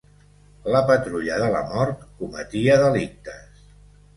La Patrulla de la Mort cometia delictes.